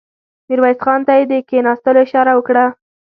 ميرويس خان ته يې د کېناستلو اشاره وکړه.